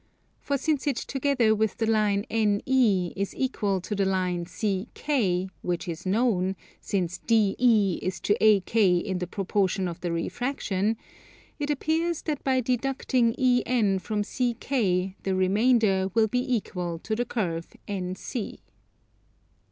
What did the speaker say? For since it together with the line NE is equal to the line CK, which is known, since DE is to AK in the proportion of the refraction, it appears that by deducting EN from CK the remainder will be equal to the curve NC.